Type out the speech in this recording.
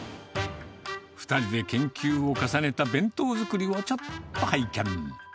２人で研究を重ねた弁当作りをちょっと拝見。